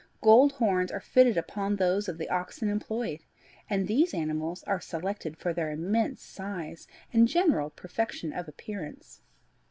Gold horns are fitted upon those of the oxen employed, and these animals are selected for their immense size and general perfection of appearance.